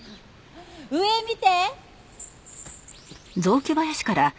上見て！